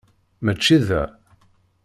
Mačči da.